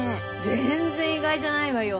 全然意外じゃないわよ